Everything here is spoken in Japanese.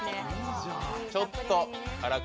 ちょっと辛口。